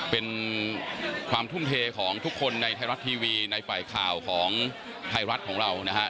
เป็นความทุ่มเทของทุกคนในไทยรัฐทีวีในฝ่ายข่าวของไทยรัฐของเรานะฮะ